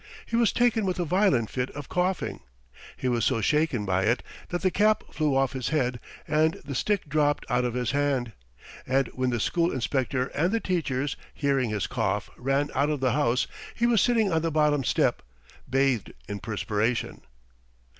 He was taken with a violent fit of coughing .... He was so shaken by it that the cap flew off his head and the stick dropped out of his hand; and when the school inspector and the teachers, hearing his cough, ran out of the house, he was sitting on the bottom step, bathed in perspiration.